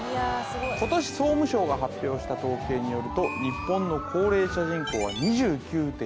今年総務省が発表した統計によると日本の高齢者人口は２９．１％